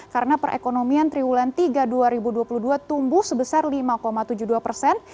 karena perekonomian triwulan tiga dua ribu dua puluh dua tumbuh sebesar lima tujuh puluh dua persen